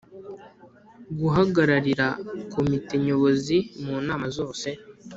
Guhagararira Komite Nyobozi mu nama zose